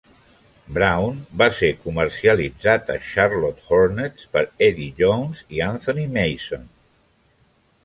Brown va ser comercialitzat a Charlotte Hornets per Eddie Jones i Anthony Mason.